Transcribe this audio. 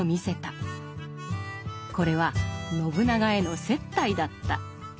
これは信長への接待だった。